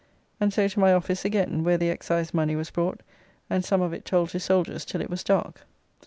And so to my office again; where the Excise money was brought, and some of it told to soldiers till it was dark.